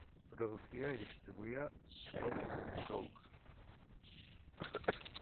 Producía y distribuía talk shows.